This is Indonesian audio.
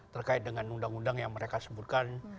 terkait dengan undang undang yang mereka sebutkan